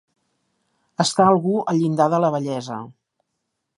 Estar algú al llindar de la vellesa.